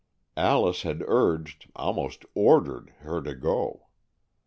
Alice had urged — almost ordered — her to go.